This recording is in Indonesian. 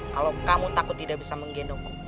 kalau kamu takut tidak bisa menggendongku